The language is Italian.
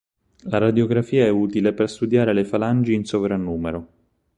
La radiografia è utile per studiare le falangi in sovrannumero.